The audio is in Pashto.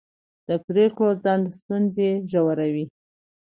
د پرېکړو ځنډ ستونزې ژوروي